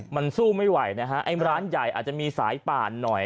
มันสู้ไม่ไหวนะฮะไอ้ร้านใหญ่อาจจะมีสายป่านหน่อย